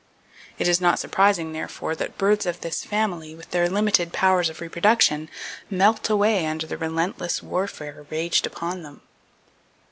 It is not surprising, therefore, that birds of this family, with their limited powers of reproduction, melt away under the relentless warfare waged upon them.